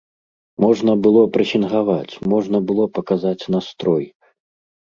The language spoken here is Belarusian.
Можна было прэсінгаваць, можна было паказаць настрой!